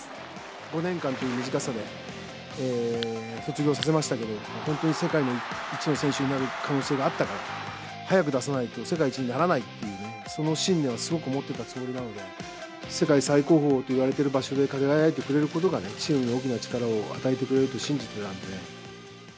５年間という短さで卒業させましたけど、本当に世界一の選手になる可能性があったから、早く出さないと、世界一にならないというね、その信念はすごく持っていたつもりなので、世界最高峰といわれている場所で輝いてくれることがチームに大きな力を与えてくれると信じてたので。